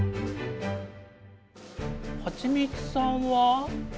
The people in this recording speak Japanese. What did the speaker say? はちみつさんは？